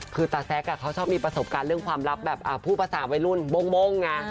คือตาแซคเขาชอบมีประสบการณ์เรื่องความลับแบบพูดภาษาวัยรุ่นโม่งไง